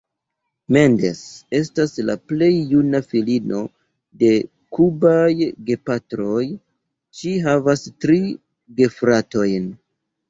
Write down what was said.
Mendes estas la plej juna filino de kubaj gepatroj, ŝi havas tri gefratojn.